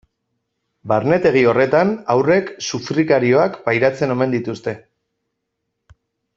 Barnetegi horretan haurrek sufrikarioak pairatzen omen dituzte.